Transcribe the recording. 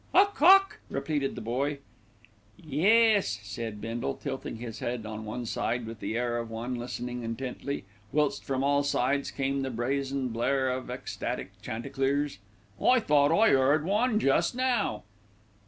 "A cock," repeated the boy. "Yes!" said Bindle, tilting his head on one side with the air of one listening intently, whilst from all sides came the brazen blare of ecstatic chanticleers. "I thought I 'eard one just now."